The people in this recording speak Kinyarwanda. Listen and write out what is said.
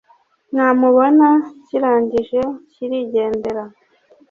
namubona kirangije kirigendera